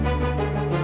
ustaz lu sana bencana